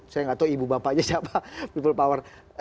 saya nggak tahu ibu bapaknya siapa people power